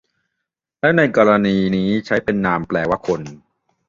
และในกรณีนี้ใช้เป็นนามแปลว่าคน